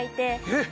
えっ！